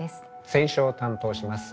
選書を担当します